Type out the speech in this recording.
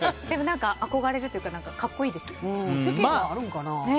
憧れるというか格好いいですよね。